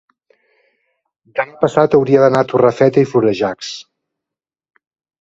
demà passat hauria d'anar a Torrefeta i Florejacs.